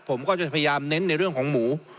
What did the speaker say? ผมก็จะพยายามเน้นในเรื่องของหมู